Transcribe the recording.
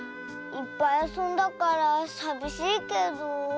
いっぱいあそんだからさびしいけど。